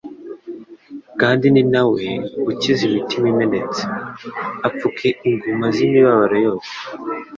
Kandi ni na we «Ukiza imitima imenetse, apfuka inguma z'imibabaro yabo'.»